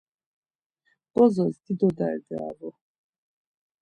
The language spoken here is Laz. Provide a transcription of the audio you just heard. Bozos dido derdi avu.